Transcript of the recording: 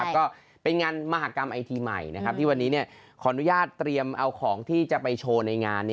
ก็เป็นงานมหากรรมไอทีใหม่ที่วันนี้ขออนุญาตเตรียมเอาของที่จะไปโชว์ในงาน